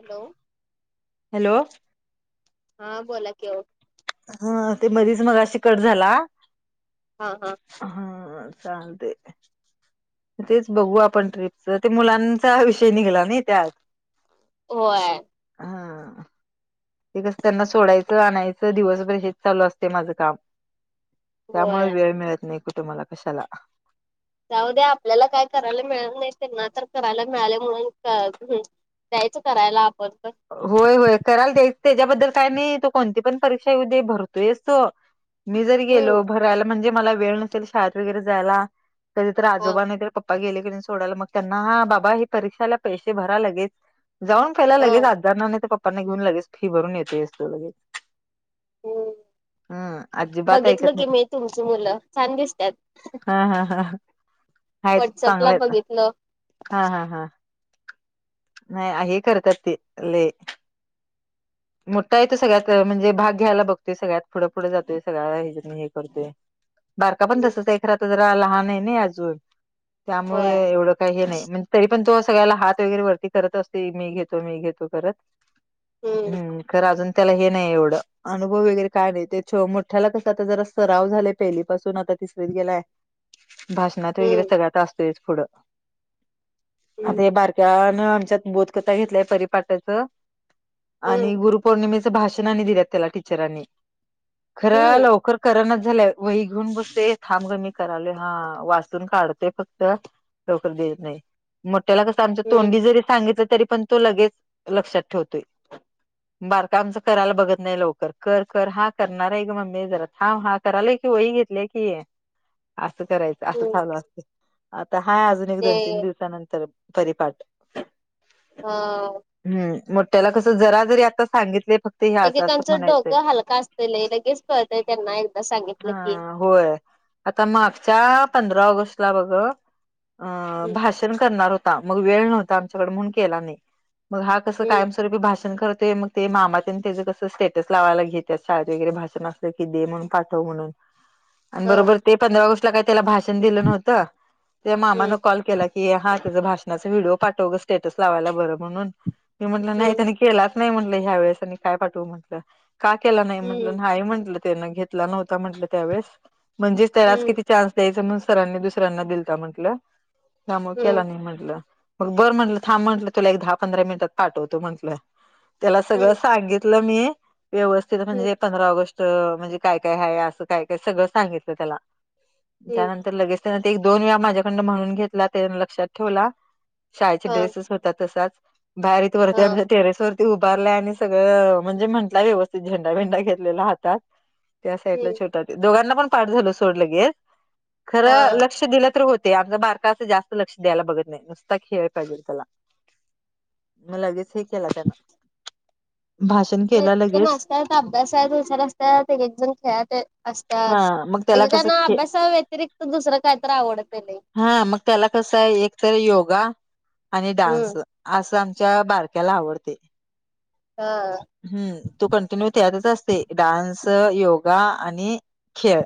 Hello hello हा बोला के ओ हा ते मधीच मघाशी कट झाला हा हा हा चालते तेच बघू आपण ट्रीपच ते मुलांचा विषय निगला नय त्यात तोय. हा ते कस त्यांना सोडायचं आणायचं दिवसभर हेच चालू असते माझं काम त्यामुळ होय वेळ मिळत नाय कुट मला कशाला जाऊद्या आपल्याला काय करायला मिळालं नाय त्यांना तर करायला मिळालय म्हणून त हे द्यायचं करायला आपण पण होय होय कराल द्याय त्याच्याबद्दल काय नाय तो कोणती पण परीक्षा येवू दे भरतोयचं तो मी जरी हम्म गेलो भरयला म्हणजे मला वेळ नसेल शाळेत वगैरे जायला कधी तर हा आजोबा नाही तर पप् पप्पा गेले की नाय सोडाला मग त्यांना हा बाबा हे परीक्षाला पैसे भरा लगेच जाऊन पहिला ह लगेच आ नाय तर पप्पा घेऊन लगेच फी भरून येतेयेस तू लगेच होय. हम्म अजिबात बघितल ऐकत की नाही मी तुमची मुलं छान दिसत्यात. हायेत चांगलेयेत हा हा हा नाय आ हे करतात ते लय [inaudible] मोठा आहेे तो सगळ्यात म्हणजे भाग घ्यायला बघतोय सगळ्यात पुढं पुढे जातेय सगळ्याना हे जे नी हे करतोय बारका पण तसचंये खरा त जरा लहान हाय नय अजून त्यामुळे होय एवढं काय हे नाय म्हणजे तरी पण तो सगळ्याला हात वगैरे वरती करत असतोय मी घेतो मी घेतो करत हम्म खरं अजून त्याला हे नाय एवढं अनुभव वगैरे काय नाही ते मोठ्याला कस आता जरा सराव झाला पहिली पाासून आता तिसरीत गेलाय. भाषणात वगैरे हम्म सगळ्या असतोय पुढं आता हम्म हे बार क्यान आमच्यात बोधकथा घेतलाय पररीपाटाच हम्म आणि गुरु पौर्णिमेच भाषण आणि दिल्यात त्याला टीचरांनी खर हम्म लवकर करनच झाल्यय वही घेऊन बसते थांब ग मी करालोय हा वाचतून काढतय फक्त लवकर देत नाही मोठ्याला कस आमच्या हम्म तोंडी जरी सांगितलं तरी पण तो लगेच लक्षात ठेवतोय. बारका आमच करायला बघत नाही लवकर कर कर हा करणार आहे ग मम्मी जरा थांब हा. करालोय. की वही घेतल्या की, असं करायचं. असं हम्म चालू असते. आता हाय अजून एक, ते दोन, तीन दिवसानंतर परिपाठ हा हं. मोठ्याला कस जरा जरी आता सांगितले फक्त, हे असं असं एकेकांचं म्हणायचंय डोकं हलक असतय लय लगेच कळतय त्यांना एकदा सांगितलं की. हा होय. आता मागच्या पंधरा ऑगस्टला बघ अ हम्म भाषण करणार होत. हा मग वेळ नव्हता आमच्याकड म्हणून केला नाही. मग हा कस काय. हम्म तरी बी भाषण करतोय. मग ते मामाच आणि त्याचं कस स्टेटस लावायला घेत्यात शाळेत वगैरे भाषण असलं की दे म्हणून, म्हणून आणि ह बरोबर ते पंधरा ऑगस्ट त्याला काही त्याला भाषण दिलं नव्हत. त्या हम्म मामान कॉल केलाय की. हा त्याचं भाषणाचा व्हिडिओ पाठव गं. स्टेटस लावायला बरं म्हणून, मी म्हटलं हम्म नाही त्यानं केलं. केलाच नाही. म्हटलं ह्या वेळेस काय पाठवू म्हंटलं. का केला नाही म्हटलं? हम्म नाही म्हटलं त्यान घेत. घेतला नव्हत म्हटलं त्यावेळेस म्हणजे त्यालाच हम्म किती चान्स द्यायच म्हणून सरांनी दुसऱ्यांना दिलता म्हटलं. ह्यामुळ केला हम्म नाही म्हटलं. मग बरं. म्हटलं थांब म्हटलं तुला एक, दहा पंधरा मिनिटात पाठवतो. म्हटलं त्याला सगळं हम्म सांगितलं मी व्यवस्थित हम्म म्हणजे पंधरा ऑगस्ट म्हणजे, काय काय आहे. अस काय काय सगळ सांगितल त्याला हम्म त्यानंतर लगेच त्यांन ते एक-दोन वेळा माझ्याकडं म्हणून घेतला. ते लक्षात ठेवला. शाळेचे हा ड्रेसेस होतात. तसाच बाहेर इथे हा वरती आपलं म्हणजे टेरेस वर तो उभारलाय आणि सगळं म्हणजे म्हंटला व्यवस्थित झेंडा बिंडा घेतलेला हातात. त्या साईडला हम्म छोट्या दोघांना पण पाठ झालं सोड लगेच. खरं हा लक्ष दिलं तर होते. आमच बार क जास्त लक्ष द्यायला बघत नाही. नुसता खेळ पाहिजे त्याला मग लगेच एक केला त्यांना. नाही तर नाचता, तर अभ्यासात हुशार असतात. एकेकजण खेळात असत्यात. हा मग त्याला कसं एकेकांना खे अभ्यासाव्यतिरिक्त दुसरं काहीतर आवडतं लय. हा मग त्याला कसं आहे. एक तर योगा आणि डान्स हम्म असं आमच्या बारक्याला आवडते. हा. हं, तो कंटिन्यू त्यातच असते. डान्स योगा आणि खेळ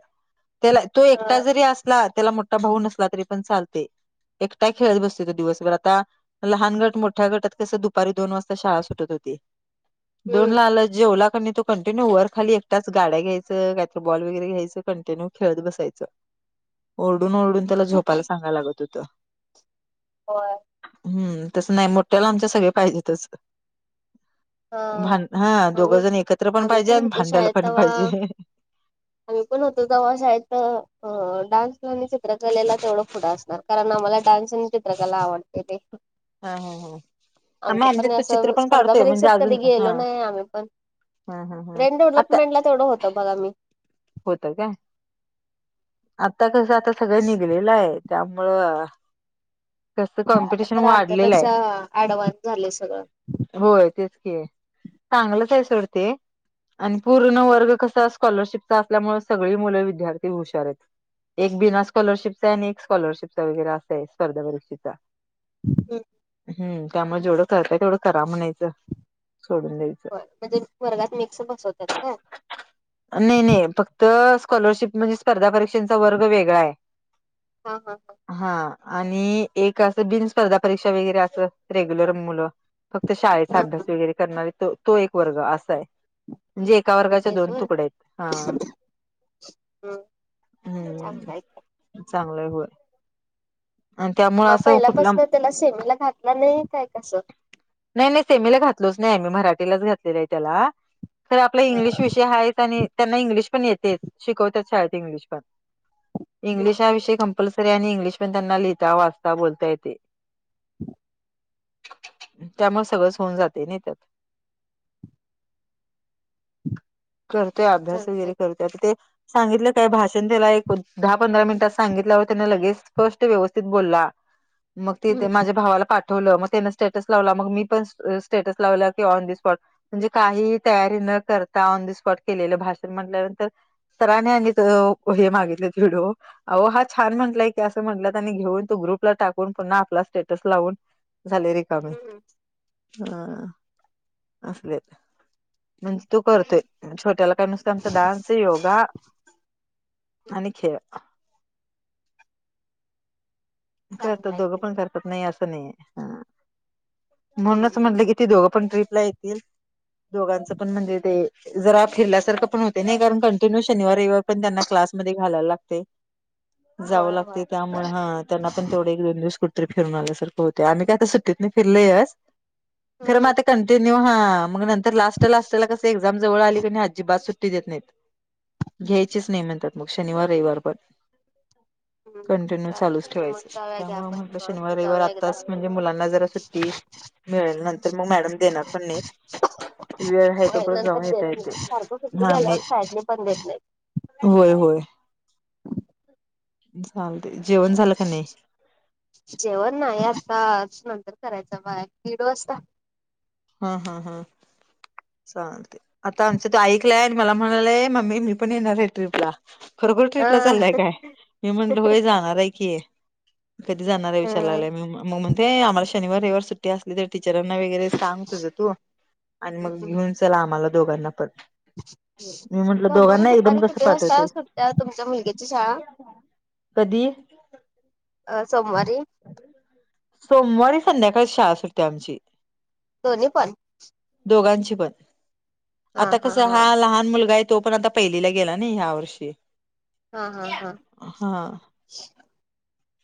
त्याला तो हा एकटा जरी अस त्याला मोठा भाऊ नसला तरी पण चालते. एकटा खेळत बसते तो दिवसभर आता लहान गट मोठ्या गटात कसं दुपारी दोन वाजता शाळा सुटत होती. दोन हम्म ला आल जेवला कनी तो कंटिन्यू वर खाली एकटाच असं गाड्या घ्यायचं. काहीतरी बॉल वगैरे घ्यायचं कंटिन्यू खेळत बसायचं. ओरडून ओरडून त्याला झोपायला सांगायला लागत होतं. होय. हं तसं नाही मोठ्याला आमच्या सगळे पाहिजेतच. हा भां हा आम्ही दोघजण एकत्र पण आम्ही पाहिजे आणि होतो शाळेत भांडायला पण तवा पाहिजे. आम्ही पण होतो. तेव्हा शाळेत डान्स करण्यासाठी चित्रकलेला तेवढं पुढं असणार कारण आम्हाला डान्स आणि चित्रकला आवडते ते. हा हा हा. आमच आम्ही आमच्यात पण तो चित्र असं पण स्पर्धा काढतोय म्हणजे परिक्षेत अजून कधी गेलो हा नाही. आम्ही पण हा हा हा ब्रेंड आता डेव्हलपमेंटला तेवढं होतं बघा मी. होत का. आता कसं आता सगळं निघलेलं आहे त्यामुळं, कसं आता कॉम्पिटिशन तर आमच्या वाढलेलं आहे. पेक्षा एडवान्स झालंय सगळं होय. तेच कि आहे चांगलंच आहे सोड ते. आणि पूर्ण वर्ग कसा स्कॉलरशिपचा असल्यामुळे सगळी मुलं विद्यार्थी हुशार आहेत. एक बिना स्कॉलरशिपचा आहे आणि एक स्कॉलरशिपचा वगैरे असा आहे स्पर्धा परीक्षेचा.. हं त्यामुळे जेवढं करतय तेवढं करा म्हणायचं. सोडून होय, द्यायचं म्हणजे वर्गात मिक्स बसवतात होय? नाही, नाही फक्त स्कॉलरशिप म्हणजे स्पर्धा पऽ चा वर्ग वेगळा आय. हा, हा हा हां, आणि एक असं बिन स्पर्धा परीक्षा वगैरे, अस रेग्युलर मुलंऽ फक्त शाळेचा हा अभ्यास वगैरे करणारे, तो एक वर्ग असा आहे, म्हणजेऽ एका तुम्ही वर्गाच्या दोन तुकड आहेत,,, हां. हम्म,, हम्म चांगलायकिऽ चांगलंय होय. आणि त्यामुळे मग असं कुठला पहिल्यापासन त्याला सेमीला घातला नाही,, काय? कसं? नाही, नाही सेमीला घातलोच नाही,, आ म्ी, मराठीलाच घातलेलं आहे त्याला. खरं आपला इंग्लिश विषय हायत, आणि त्यांना इंग्लिश पण येतेच, शिकवतात शाळेत इंग्लिशऽ हम्म इंग्लिश हा विषय कंपल्सरी आय,, आणि इंग्लिश पण त्यांना लिहिता, वाचता, बोलता येतय. त्यामुळे सगळंच होऊन जाते नाही त्यात करतोय अभ्यास चांगलं वगैरे आहे की करते आता ते सांगितलं काय भाषण एक, दहा, पंधरा मिनिटात सांगितल्यावर त्याने लगेच स्पष्ट व्यवस्थित बोलला मग हम्म तिथे माझ्या भावाला पाठ ठेवलं, मग त्यांना स्टेटस लावला, मग मी पण स्टेटस लावला की ऑन द स्पॉटऽ म्हणजे, काही तयारी न करता ऑन द स्पॉट केलेलं भाषण म्हटल्यानंतरऽ सरानी आणि हे मागितलेत विडीओ. अओ हा छान म्हटलाय की, असं म्हंटलं त्यांनी घेऊन तो ग्रुपला टाकून, पुन्हा आपला स्टेटस लावूनऽ झाले रिकामी,, हम्म ह,, असलेच,, म्हणजेऽ तू करतोय,, छोट्याला काय नुसतं, आमचा डान्स, योगा, आणि खेळ. चांगलं करतात, आहे दोघं की पण करतात, नाही असं नाही. म्हणूनच हम्म म्हटलं की ते दोघं पण ट्रीपला येतील,, दोघांच पण म्हणजे तेऽ जरा फिरल्यासारखं पण होतय नाही,, कारण कंटिन्यू शनिवार, रविवार पण त्यांना क्लासमध्ये घालायला लागतय. जावं होय होय लागतय त्यामुळ,,, हां. त्यांना पण तेवढे एक, दोन दिवस कुठरी फिरून आल्यासारखं होतय,, आम्ही काय आता सुट्टीतन फिरलंयसऽ खर हम्म म ते आता कंटिन्यूऽ हां,, मग नंतर लास्ट लास्टला कस, एक्झाम जवळ आली क नाही,, आजी बात सुट्टी देत नाहीत. घ्यायचीच नाही म्हणतात,, मग शनिवार रविवार पण, हम्म कंटिन्यू चालूचऽ चालतंय की मग जाऊया घ्या त्यामुळं आपण म्हटलं शनिवार, निवांत रविवार जाऊया एकदा आताच,, म्हणजे ऽमुलांना जरा सुट्टी. मिळेल,, नंतर मग मॅडम देणार पण नाहित. वेळ हाय तो होय पर्यंत नंतर जाऊन देत येता नाही येतय,,, सारखं सुट्टी हं,, गेल्यावर नाही. साईडने पण देत नाही होय, होय, चालतय,, जेवण झालं का नाही? जेवण नाही,, आताच,, नंतर करायच बागाय,, दिड वाजताऽ हा, हा, हा चालतय,, आता आमचं ते ऐकलंय, आणि मला म्हणालाय, मम्मी मी पण येणार आहे ट्रीपला. खरोखर ट्रिपला चाललाय हा काय? मी म्हणल,, होय जाणार आहे की. कधी जाणार हाय विचाराय लागलाय,,, मग म्हणतोय आम्हाला शनिार, रविवार सुट्टी असली,, तर टीचरां वगैरे सांग. तुझ तू, आणि मग घेऊन चल, आम्हाला दोघांना पनऽ सोमवारी दुपारी कसं किती वाजता पाठवतील सुटत्या तुमच्या मुलग्याची शाळा? कधी? अऽ सोमवारी. सोमवारी संध्याकाळीच शाळा सुटत्या आमची. दोन्ही पण. दोघांची पण.. आता कस हा लहान मुलगा आहे. तो पण आता पहिलीला गेला ना ह्या वर्षी हा हा हा हा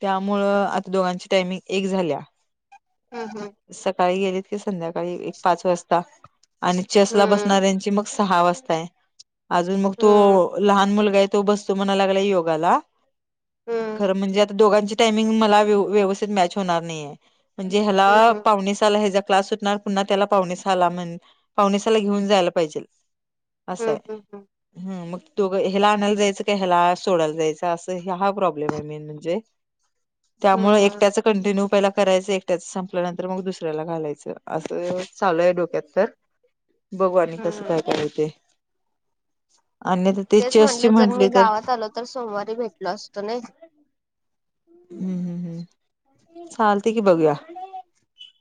त्यामुळं आता दोघांची टायमिंग एक झाल्या हा हा सकाळी गेलीत की संध्याकाळी एक पाच वाजता आणि चेसला हम्म बसणाऱ्यांची मग, सहा वाजता आहे अजून मग तो हम्म लहान मुलगा आहे तो बसतोय म्हणायला लागलाय योगाला हम्म खर म्हणजे दोघांची टामिंग मला व्यवस्थित मॅच होणार नाहीय म्हणजे ह्याला हम्म पावणे सहाला ह्याचा क्लास सुटणार. पुन्हा त्याला पावणे सहाला घेऊन जायला पाहिजे. असं हम्म हम्म हम्म आहे हम्म मग दोघं ह्याला आणायला जायचं का ह्याला सोडायला जायचं असं हा प्रॉब्लेम आहे मेन म्हणजे हम्म त्यामुळे हम्म एकट्याचं कंटिन्यू पहिला करायचं एकट्याच संपल्यानंतर मग दुसऱ्याला घालायचं असं चालूय डोक्यात तर बघू आनी कसं? हम्म काय काय हुतय, आणी तेच म्हनलं, जर मी गावात आलो तर सोमवारी भेटलो असतो नाई हम्म हम्म चालतय की बघूया.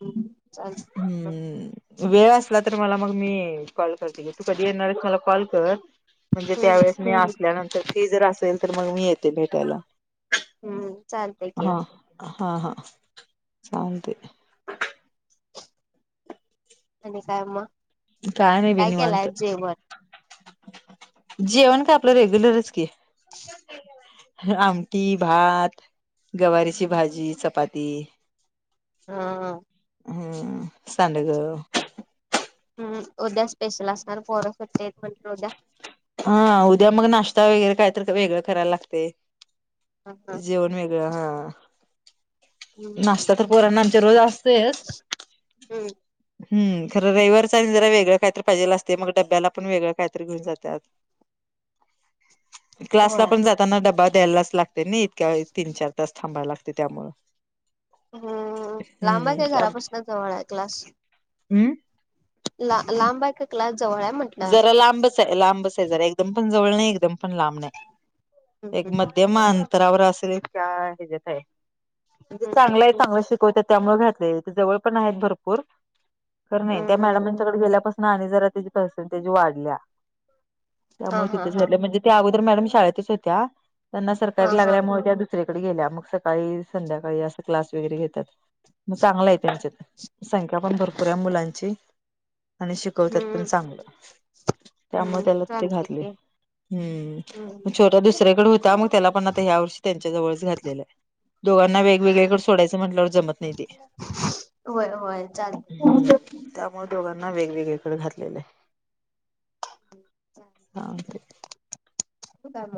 हमं.. चाल हम्म,, वेळ असला तर मला, मग मी येईन कॉल करते तू कधी येणार मला कॉल कर म्हणजे हम्म त्यावेळेस मी ल्यानंतर ती जर असेल तर मग मी येते भेटायला हम्म चालतेय की हा हा हा चालतय आणि काय मग नाही बे काय केलाय निवांत जेवण [inaudible] जेवण काय आपलं रेग्युलरच की आमटी भात... गवारीची भाजी, चपाती हा.. हम्म सांडगं हम् उद्या स्पेशल असणार पोर सुट्टी आहेत म्हटल उद्या हा उद्या मग नाश्ता वगैरे काय तर वेगळं करायला लागते हम्म. जेवण वेगळं हा नाश्ता तर पोरांना आमच्या रोज असतय. [inaudible] हम्म हम् खरं रविवार चा आणि जरा वेगळं काहीतरी पाहिजेल असते मग डब्याला पण वेगळं काहीतरी घेऊन जातात. क्लासला होय पण जाताना डबा द्यायलाच लागते ना इतक्या वेळ तीन, चार तास थांबाय लागते त्यामुळे हम्म.. लांब काय घरापासून जवळ आहे क्लास हम् ला लांबा क क्लास जवळ आहे म्हणल जरा लांबच आहे लांबच आहे जरा एकदम पण जवळ नाही एकदम पण लांब नाही एक हम्म म उदम अंतरावर असेल का हच्यात आहे म्हणजे चांगलं आहे चांगलं शिक त्यामुळे घातले जवळ पण भरपूर नाही त्या हम्म मॅडमच्याकडे गेल्यास मग आणि जरा त्या पर्सेंटेज त्या वाढल्या हा त्यामुळे हा तिथे हा घातलय म्हणजे त्या अगोदर मॅडम शाळेतच होत्या त्यांना हा सरकारी हा लागल्यामुळे त्या दुसरीकडे गेल्या मग सकाळी, संध्याकाळी असं क्लास वगैरे घेतात. मग चांगला आहे त्यांच्यात संख्या पण भरपूर आहे मुलांची आणि शिकवतात हम्म पण चांगलं त्यामुळे हम्म त्याला तिथं चालते घातले की. हम्म छोटा दुसऱ्याकडे होता मग त्याला पण आता ह्या वर्षी त्यांच्या जवळच घातलेलं आहे. दोघांना वेगवेगळेकडे सोडायं म्हटवर जत नाही ते होय होय हम्म चालत त्यामुळे दोघांना वेगवेगळीकडे घातलेलं आहे सांगते होतल